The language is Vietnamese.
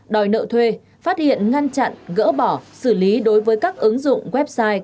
đòi nợ thuê phát hiện ngăn chặn gỡ bỏ xử lý đối với các ứng dụng website